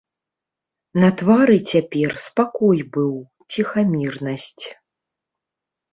На твары цяпер спакой быў, ціхамірнасць.